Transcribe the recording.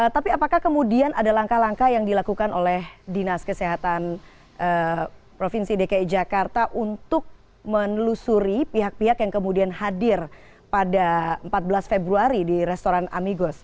tapi apakah kemudian ada langkah langkah yang dilakukan oleh dinas kesehatan provinsi dki jakarta untuk menelusuri pihak pihak yang kemudian hadir pada empat belas februari di restoran amigos